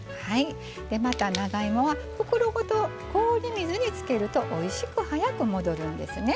また長芋は袋ごと氷水につけるとおいしく早く戻るんですね。